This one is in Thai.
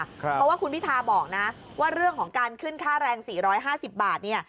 เพราะว่าคุณพิทาบอกนะว่าเรื่องของการขึ้นค่าแรง๔๕๐บาท